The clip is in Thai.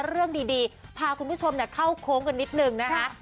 เรื่องดีพาคุณผู้ชมเข้าโค้งกันนิดนึงนะคะ